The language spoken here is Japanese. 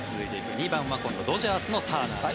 ２番は今度、ドジャースのターナーです。